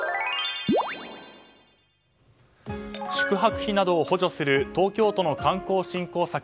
宿泊費などを補助する東京都の観光振興策